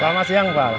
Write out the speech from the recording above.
selamat siang pak